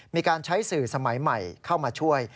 มีการใช้สื่อสมัยใหม่เข้ามาช่วย